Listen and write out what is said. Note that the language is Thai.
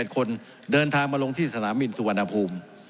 ๔๑๘คนเดินทางมาลงที่สถานะวินธุ์สุมณภูมิ